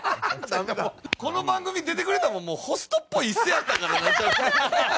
この番組出てくれたのもホストっぽい椅子やったからなんちゃうか？